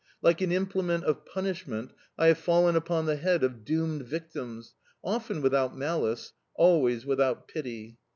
Like an implement of punishment, I have fallen upon the head of doomed victims, often without malice, always without pity...